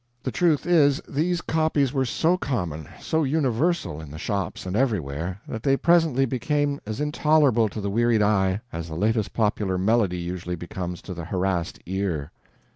The truth is, these copies were so common, so universal, in the shops and everywhere, that they presently became as intolerable to the wearied eye as the latest popular melody usually becomes to the harassed ear.